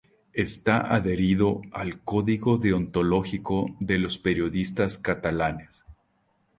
Está adherido al Código Deontológico de los Periodistas Catalanes.